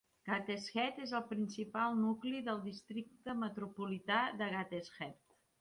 Gateshead és el principal nucli del districte metropolità de Gateshead.